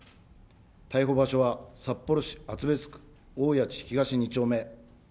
逮捕場所は札幌市厚別区大谷地東２丁目。